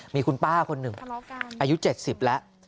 มีคุณป้าคนหนึ่งอายุ๗๐แล้ว